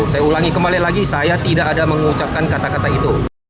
saya ulangi kembali lagi saya tidak ada mengucapkan kata kata itu